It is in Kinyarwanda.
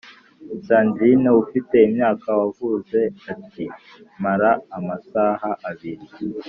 Sandrine ufite imyaka wavuze ati mara amasaha abiri